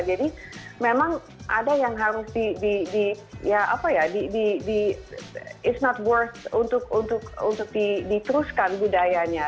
jadi memang ada yang harus di ya apa ya it's not worth untuk diteruskan budayanya